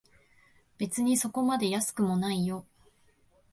別にそこまで安くもないよ